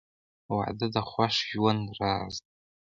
• واده د خوښ ژوند راز دی.